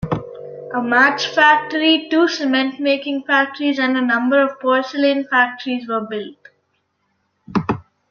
A match factory, two cement-making factories, and a number of porcelain factories were built.